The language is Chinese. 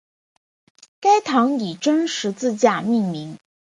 该堂以真十字架命名。